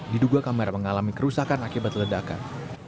diduga kamera mengalami kerusakan akibat ledakan